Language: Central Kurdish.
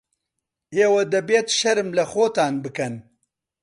ئێوە دەبێت شەرم لە خۆتان بکەن.